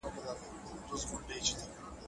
تاسې باید د خپل نظر شریکولو لپاره فرصت ومومئ.